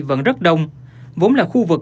vẫn rất đông vốn là khu vực